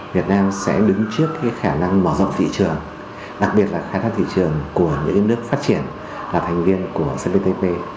việt nam sẽ đứng trước khả năng mở rộng thị trường đặc biệt là khai thác thị trường của những nước phát triển là thành viên của cptpp